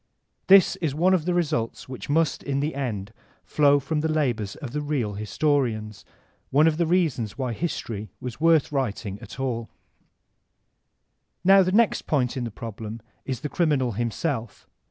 This is one of the results which must, in tfie end, flow from the labors of the real historians ; one of the reasons why history was worth writing at all Now the next point in the problem is the criminal him self.